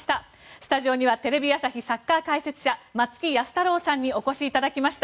スタジオにはテレビ朝日サッカー解説者松木安太郎さんにお越しいただきました。